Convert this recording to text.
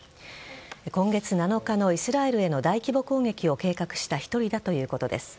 今月７日の、イスラエルへの大規模攻撃を計画した１人だということです。